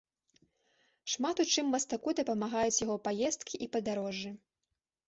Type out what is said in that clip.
Шмат у чым мастаку дапамагаюць яго паездкі і падарожжы.